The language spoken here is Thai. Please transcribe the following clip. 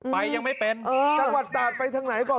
ไปยังไม่เป็นจังหวัดตาดไปทางไหนก่อน